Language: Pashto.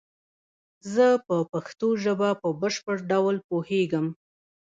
زه په پشتو ژبه په بشپړ ډول پوهیږم